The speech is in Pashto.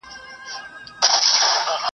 ما په کړوپه ملا کړه ځان ته د توبې دروازه بنده !.